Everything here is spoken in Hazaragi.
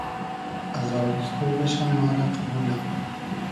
ازاریستۉ بئشۂ ما رۂ قئبولۂ